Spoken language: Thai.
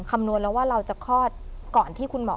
คำนวณแล้วว่าเราจะคลอดก่อนที่คุณหมอ